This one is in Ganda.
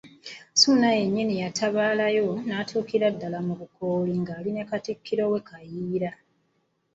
Ssuuna yennyini yatabaalayo n'atuukira ddala mu Bukooli nga bali ne Katikkiro we Kayiira.